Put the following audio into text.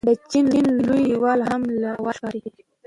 د چین لوی دیوال هم له هوا ښکاري.